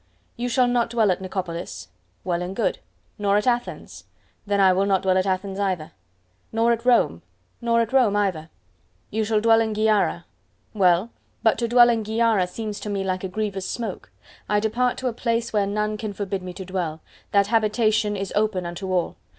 "You shall not dwell at Nicopolis!" Well and good. "Nor at Athens." Then I will not dwell at Athens either. "Nor at Rome." Nor at Rome either. "You shall dwell in Gyara!" Well: but to dwell in Gyara seems to me like a grievous smoke; I depart to a place where none can forbid me to dwell: that habitation is open unto all!